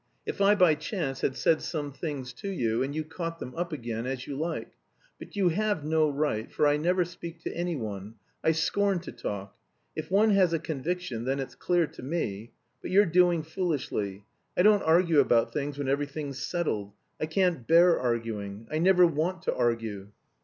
"If I by chance had said some things to you, and you caught them up again, as you like. But you have no right, for I never speak to anyone. I scorn to talk.... If one has a conviction then it's clear to me.... But you're doing foolishly. I don't argue about things when everything's settled. I can't bear arguing. I never want to argue...."